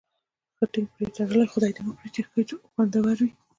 ښه ټینګ پرې تړلی، خدای دې وکړي چې ښه خوندور وي.